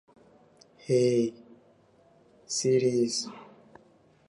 It can be found on Liverpool Road, just off Parramatta Road.